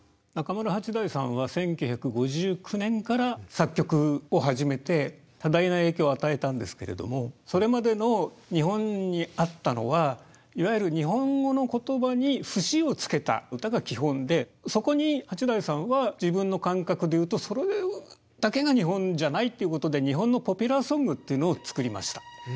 中村八大さんは１９５９年から作曲を始めて多大な影響を与えたんですけれどもそれまでの日本にあったのはいわゆる日本語の言葉に節をつけた歌が基本でそこに八大さんは自分の感覚でいうとそれだけが日本じゃないっていうことで日本のポピュラーソングっていうのを作りました。